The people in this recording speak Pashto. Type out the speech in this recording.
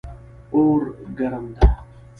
اور ګرم ده